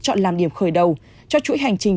chọn làm điểm khởi đầu cho chuỗi hành trình